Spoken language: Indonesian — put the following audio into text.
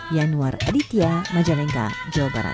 yanuar aditya majalengka jawa barat